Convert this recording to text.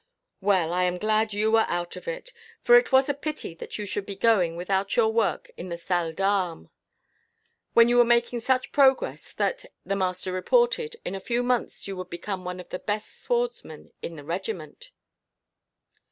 "Well, I am glad you are out of it, for it was a pity that you should be going without your work at the salle d'armes, when you were making such progress that, the master reported, in a few months you would become one of the best swordsmen in the regiment."